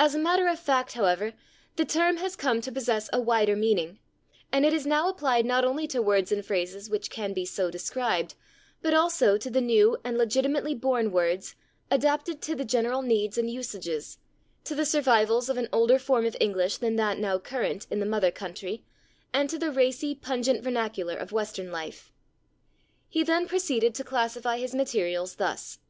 As a matter of fact, however, the term has come to possess a wider meaning, and it is now applied not only to words and phrases which can be so described, but also to the new and legitimately born words adapted to the general needs and usages, to the survivals of an older form of English than that now current in the mother country, and to the racy, pungent vernacular of Western life. He then proceeded to classify his materials thus: 1.